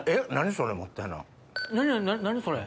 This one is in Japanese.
それ。